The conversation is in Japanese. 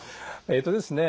えっとですね